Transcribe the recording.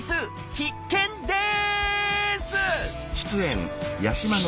必見です！